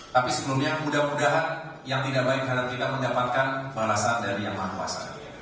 tapi sebelumnya mudah mudahan yang tidak baik terhadap kita mendapatkan balasan dari allah swt